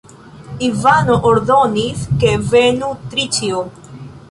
Ivano ordonis, ke venu Triĉjo.